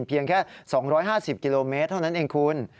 เพียงแค่๒๕๐กิโลเมตรเท่านั้นเองคุณ